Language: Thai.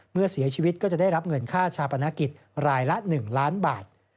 เมื่อเสียชีวิตก็จะได้รับเงินค่าชาปนกิจรายละ๑ล้านบาท